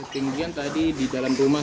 ketinggian tadi di dalam rumah